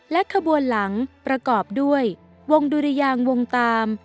ขบวนหลังประกอบด้วยวงดุรยางวงตาม